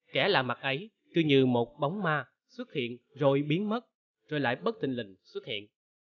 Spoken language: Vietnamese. kẻ lạ mặt ấy cứ như một bóng ma xuất hiện rồi biến mất rồi lại bất thình lình xuất hiện